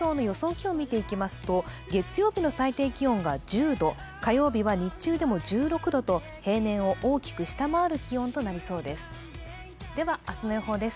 気温を見ていきますと、月曜日の最低気温が１０度火曜日は日中でも１６度と平年を大きく下回る気温となりそうです。